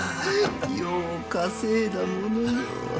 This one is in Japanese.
よう稼いだものよ。